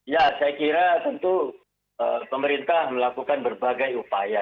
ya saya kira tentu pemerintah melakukan berbagai upaya